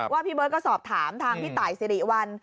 ว่าพี่เบิ้ดก็สอบถามทางที่ไตสิริวัล